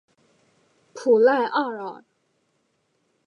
普赖奥尔。